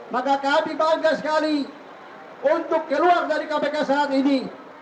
maka kami bangga sekali untuk keluar dari kpk saat ini